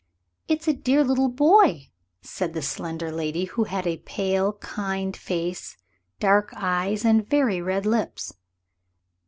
"It's a dear little boy," said the slender lady, who had a pale, kind face, dark eyes, and very red lips.